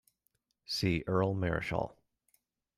See Earl Marischal.